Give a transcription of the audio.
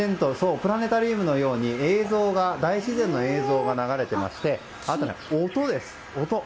プラネタリウムのように大自然の映像が流れていましてあとね、音です。